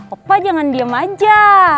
opa jangan diem aja